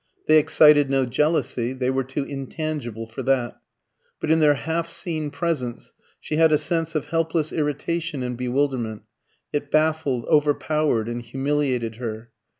They excited no jealousy they were too intangible for that; but in their half seen presence she had a sense of helpless irritation and bewilderment it baffled, overpowered, and humiliated her.